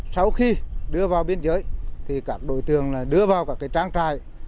sau khi đưa vào biên giới thì các đối tượng đưa vào các trang trại